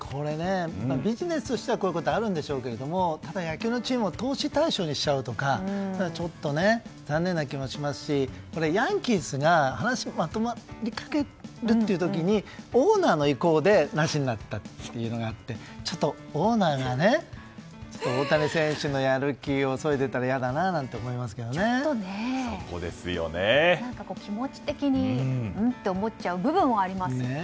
ビジネスとしてはこういうことはあるんでしょうけどただ、野球のチームを投資対象にしちゃうとかちょっと残念な気もしますしヤンキースと話がまとまりかけた時にオーナーの意向でなしになったことがあってオーナーが大谷選手のやる気をそいでたら気持ち的に、ん？と思っちゃう部分はありますね。